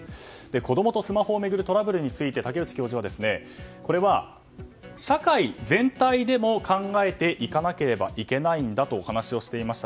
子供とスマホを巡るトラブルについて、竹内教授はこれは社会全体でも考えていかなければいけないとお話をしていました。